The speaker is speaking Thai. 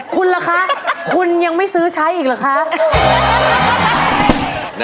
คุณล่ะคะคุณยังไม่ซื้อใช้อีกเหรอคะ